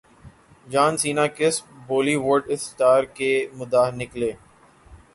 جان Cena کس Bollywood star کے مداح نکلے